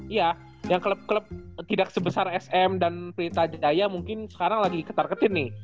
iya yang klub klub tidak sebesar sm dan pelita jaya mungkin sekarang lagi ketar ketit nih